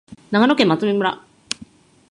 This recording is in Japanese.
長野県麻績村